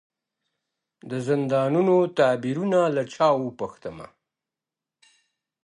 د زندانونو تعبیرونه له چا وپوښتمه.